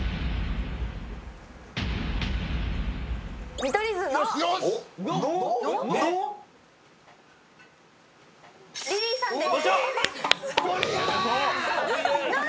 見取り図のリリーさんです。